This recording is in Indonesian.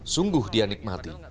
sungguh dia nikmati